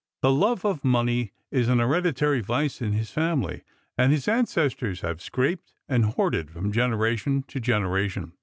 The love of money is an hereditary vice in his family, and his ancestors have scraped and hoarded from generation to generation.